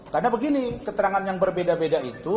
karena begini keterangan yang berbeda beda itu